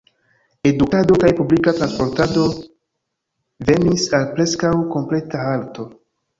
Edukado kaj publika transportado venis al preskaŭ kompleta halto.